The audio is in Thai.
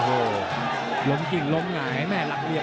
โอ้โหลมกิ่งลมไหงแม่หลักเหลียบ